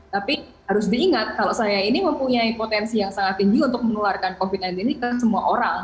tapi harus diingat kalau saya ini mempunyai potensi yang sangat tinggi untuk menularkan covid sembilan belas ini ke semua orang